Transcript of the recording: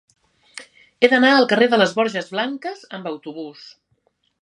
He d'anar al carrer de les Borges Blanques amb autobús.